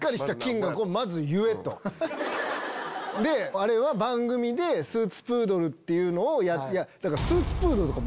あれは番組でスーツプードルっていうのを。